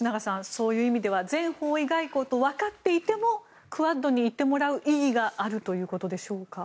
そういう意味では全方位外交とわかっていてもクアッドにいてもらう意義があるということでしょうか。